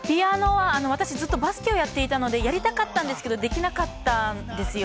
私ずっとバスケをやっていたのでやりたかったけど、できなかったんですよ。